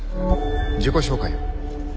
自己紹介を。